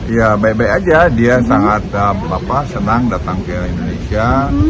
ya baik baik aja dia sangat senang datang ke indonesia